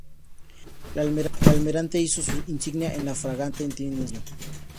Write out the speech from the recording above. El almirante izó su insignia en la fragata Veinticinco de Mayo.